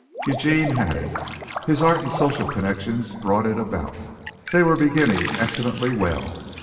Eugene had it. His art and social connections brought it about. They were beginning excellently well.